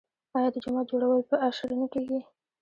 آیا د جومات جوړول په اشر نه کیږي؟